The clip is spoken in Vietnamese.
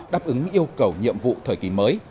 đáp ứng yêu cầu nhiệm vụ thời kỳ mới